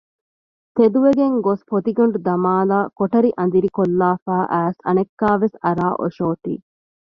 ތެދުވެގެން ގޮސް ފޮތިގަނޑު ދަމާލައި ކޮޓަރި އަނދިރިކޮށްލާފައި އައިސް އަނެއްކާވެސް އަރާ އޮށޯތީ